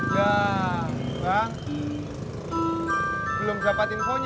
ya orang belum dapat infonya